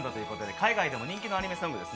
海外でも人気のアニメソングです。